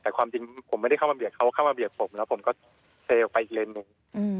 แต่ความจริงผมไม่ได้เข้ามาเบียดเขาเข้ามาเบียดผมแล้วผมก็เซออกไปอีกเลนส์หนึ่ง